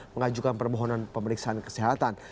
mengajukan permohonan pemeriksaan kesehatan